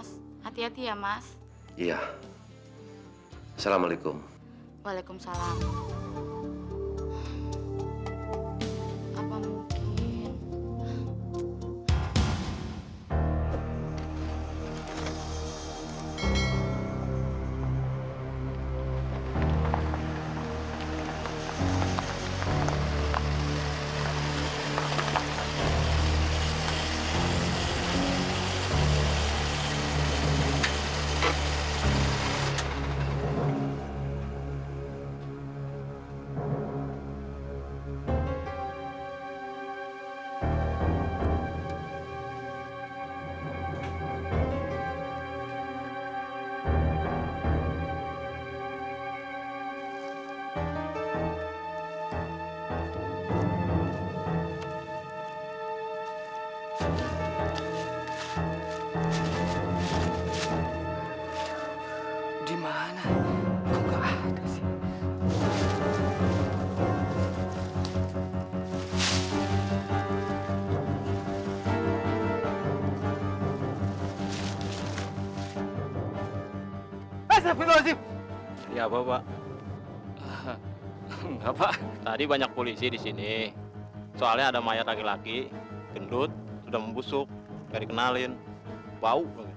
sampai jumpa di video selanjutnya